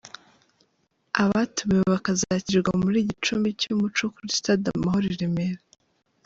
Abatumiwe bakazakirirwa mu ‘Gicumbi cy’Umuco’ kuri Stade Amahoro i Remera.